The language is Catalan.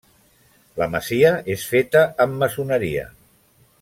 La masia és feta amb maçoneria.